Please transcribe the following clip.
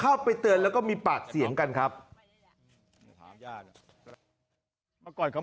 เข้าไปเตือนแล้วก็มีปากเสียงกันครับ